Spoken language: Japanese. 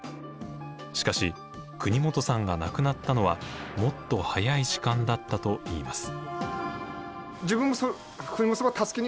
しかし國本さんが亡くなったのはもっと早い時間だったといいます。